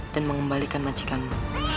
dan mengembalikan majikanmu